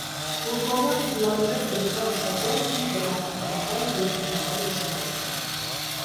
Տուզլովյան լանջեր բնության հուշարձանն ունի բնապահպանական և գիտական նշանակություն։